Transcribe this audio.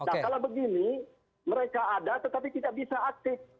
kalau begini mereka ada tetapi kita bisa aktif